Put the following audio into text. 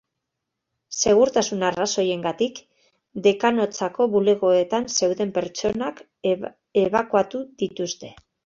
Segurtasun arrazoiengatik, dekanotzako bulegoetan zeuden pertsonak ebakuatu dituzte.